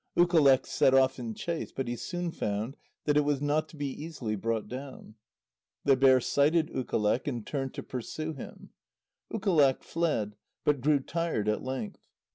Ukaleq set off in chase, but he soon found that it was not to be easily brought down. The bear sighted Ukaleq, and turned to pursue him. Ukaleq fled, but grew tired at length.